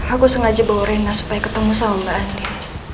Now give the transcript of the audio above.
aku sengaja bawa rena supaya ketemu sama mbak andi